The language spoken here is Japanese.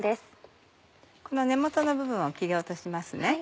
この根元の部分を切り落とします。